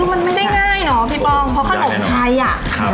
พี่พ่องไม่ง่ายน่ะเพราะขนมไทยน่ะ